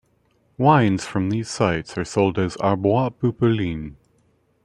Wines from these sites are sold as Arbois-Pupillin.